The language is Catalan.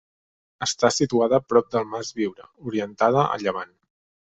Està situada prop del Mas Viure, orientada a llevant.